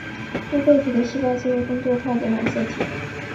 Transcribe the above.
多倍体的细胞则有更多套的染色体。